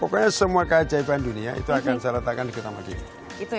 pokoknya semua keajaiban dunia itu akan saya letakkan di kota madinah